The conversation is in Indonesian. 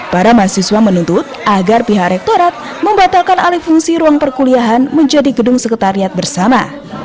para mahasiswa menuntut agar pihak rektorat membatalkan alih fungsi ruang perkuliahan menjadi gedung sekretariat bersama